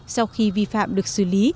sau khi vi phạm được xử lý